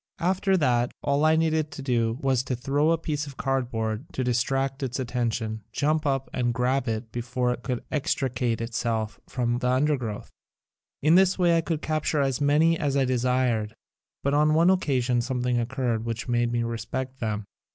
After that all I needed to do was to throw a piece of cardboard to detract its attention, jump up and grab it before it could extricate itself from the undergrowth. In this way I would capture as many as I desired. But on one occasion something occurred which made me respect them.